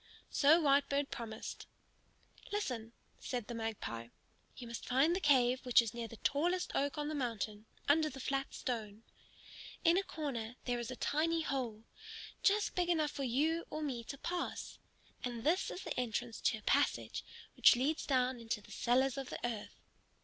So Whitebird promised. "Listen," said the Magpie. "You must find the cave which is near the tallest oak on the mountain, under the flat stone. In a corner there is a tiny hole, just big enough for you or me to pass. And this is the entrance to a passage which leads down into the cellars of the earth.